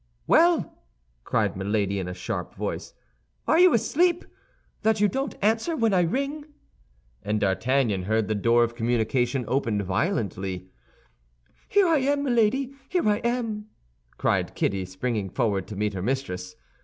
"Well," cried Milady, in a sharp voice. "Are you asleep, that you don't answer when I ring?" And D'Artagnan heard the door of communication opened violently. "Here am I, Milady, here am I!" cried Kitty, springing forward to meet her mistress.